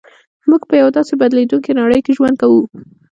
موږ په یوه داسې بدلېدونکې نړۍ کې ژوند کوو